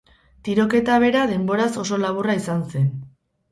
Tiroketa bera denboraz oso laburra izan zen.